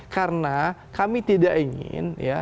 karena kami tidak ingin